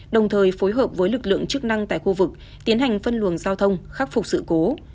đồng thời phối hợp với lực lượng chức năng tại khu vực tiến hành phân luồng giao thông khắc phục sự cố